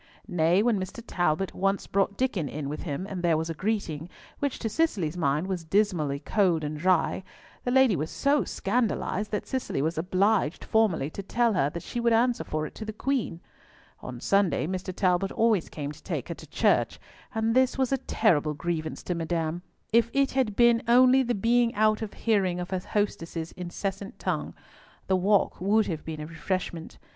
Nay, when Mr. Talbot once brought Diccon in with him, and there was a greeting, which to Cicely's mind was dismally cold and dry, the lady was so scandalised that Cicely was obliged formally to tell her that she would answer for it to the Queen. On Sunday, Mr. Talbot always came to take her to church, and this was a terrible grievance to Madame, though it was to Cicely the one refreshment of the week. If it had been only the being out of hearing of her hostess's incessant tongue, the walk would have been a refreshment.